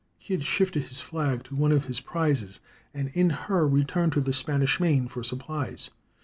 Kidd shifted his flag to one of his prizes, and in her returned to the Spanish main for supplies.